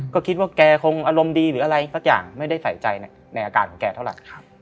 ก็คิดว่าแกคงอารมณ์ดีหรืออะไรสักอย่างไม่ได้ใส่ใจในอาการของแกเท่าไหร่